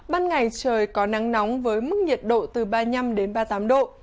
ban ngày trời có nắng nóng với mức nhiệt độ từ ba mươi năm đến ba mươi tám độ